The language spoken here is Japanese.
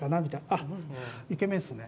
あっイケメンですね。